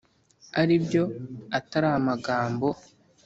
aribyo atari amagambo.